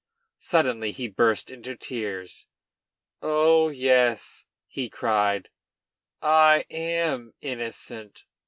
Suddenly he burst into tears. "Oh, yes!" he cried, "I am innocent!